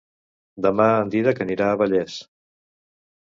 Demà en Dídac anirà a Vallés.